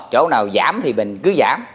chỗ nào giảm thì mình cứ giảm